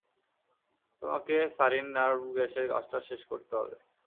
তোমাকে sarin nerve গ্যাসের কাজটা শেষ করতে হবে।